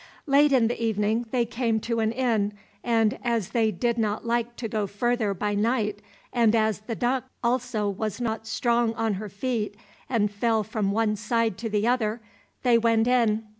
Late in the evening they came to an inn, and as they did not like to go further by night, and as the duck also was not strong on her feet, and fell from one side to the other, they went in.